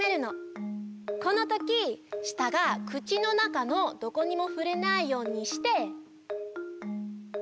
このときしたが口の中のどこにもふれないようにして。